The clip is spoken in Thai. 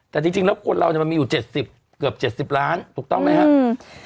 แต่จริงแล้วคนเราเนี่ยมันมีอยู่๗๐เกือบ๗๐ล้านถูกต้องไหมครับ